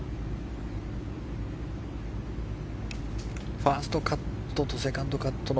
ファーストカットとセカンドカットの